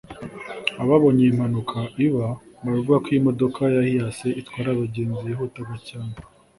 Ababonye iyi mpanuka iba baravuga ko iyi modoka ya Hiace itwara abagenzi yihutaga cyane